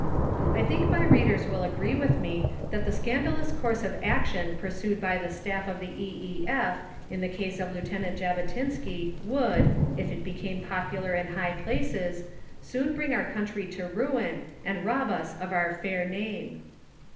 I think my readers will agree with me that the scandalous course of action pursued by the Staff of the E.E.F. in the case of Lieutenant Jabotinsky would, if it became popular in high places, soon bring our country to ruin and rob us of our fair name.